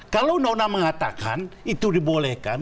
kalau undang undang mengatakan itu dibolehkan